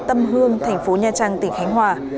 tâm hương thành phố nha trang tỉnh khánh hòa